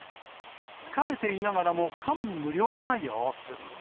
疲れていながらも感無量な様子。